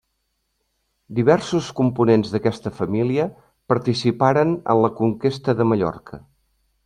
Diversos components d'aquesta família participaren en la conquesta de Mallorca.